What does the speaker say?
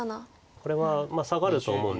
これはサガると思うんですけど。